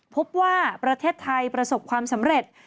พบว่าประเทศไทยประสบความสำเร็จ